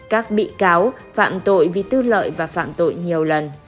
các bị cáo phạm tội vì tư lợi và phạm tội nhiều lần